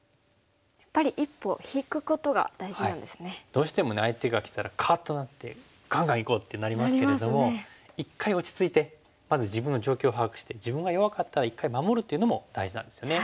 どうしてもね相手がきたらカッとなってガンガンいこうってなりますけれども一回落ち着いてまず自分の状況を把握して自分が弱かったら一回守るっていうのも大事なんですよね。